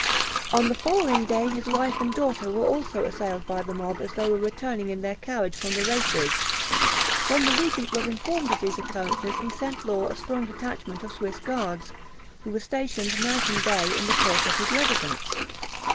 On the following day, his wife and daughter were also assailed by the mob as they were returning in their carriage from the races. When the regent was informed of these occurrences he sent Law a strong detachment of Swiss guards, who were stationed night and day in the court of his residence.